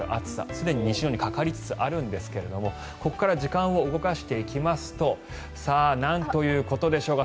すでに西日本にかかりつつあるんですがここから時間を動かしていきますとなんということでしょう